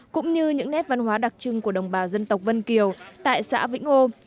cũng như những nét văn hóa đặc trưng của đồng bào dân tộc vân kiều tại xã vĩnh âu